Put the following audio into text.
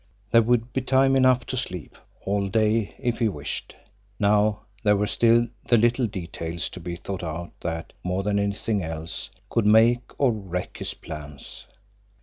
There would be time enough to sleep, all day, if he wished; now, there were still the little details to be thought out that, more than anything else, could make or wreck his plans.